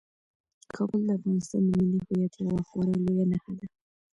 کابل د افغانستان د ملي هویت یوه خورا لویه نښه ده.